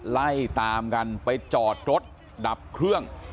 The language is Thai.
ไล่ตามกันไปจอดรถดับเครื่อง